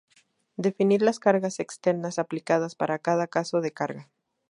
Definir las cargas externas aplicadas para cada caso de carga.